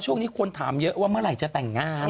ช่วงนี้คนถามเยอะว่าเมื่อไหร่จะแต่งงาน